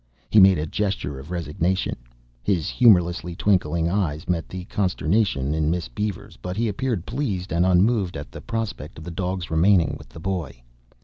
He made a gesture of resignation. His humorously twinkling eyes met the consternation in Miss Beaver's but he appeared pleased and unmoved at the prospect of the dog's remaining with the boy.